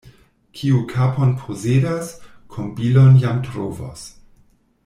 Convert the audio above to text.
Kiu kapon posedas, kombilon jam trovos.